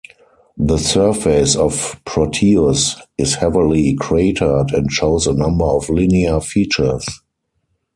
The surface of Proteus is heavily cratered and shows a number of linear features.